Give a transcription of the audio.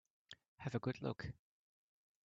Have a good look.